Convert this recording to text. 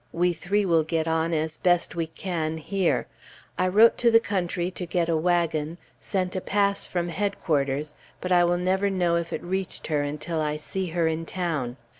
We three will get on as best we can here. I wrote to the country to get a wagon, sent a pass from Headquarters, but I will never know if it reached her until I see her in town.